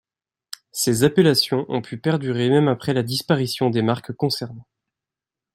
Ces appellations ont pu perdurer même après la disparition des marques concernées.